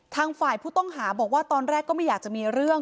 ทางฝ่ายผู้ต้องหาบอกว่าตอนแรกก็ไม่อยากจะมีเรื่อง